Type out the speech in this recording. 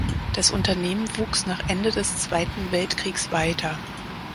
Das Unternehmen wuchs nach Ende des Zweiten Weltkriegs weiter.